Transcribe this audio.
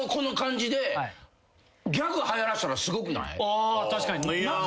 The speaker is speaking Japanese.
あ確かに。